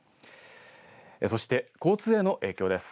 そして交通への影響です。